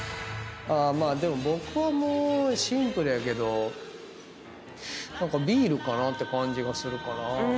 まあでも僕はもうシンプルやけどビールかなって感じがするかな。